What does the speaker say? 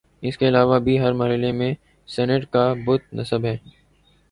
ان کے علاوہ بھی ہر محلے میں سینٹ کا بت نصب ہے